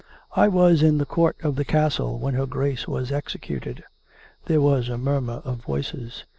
I was in the court of the castle when her Grace was executed." There was a murmur of voices.